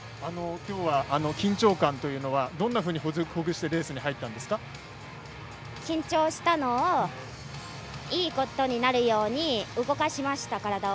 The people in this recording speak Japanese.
きょうは緊張感というのはどんなふうにほぐして緊張したのをいいことになるように動かしました、体を。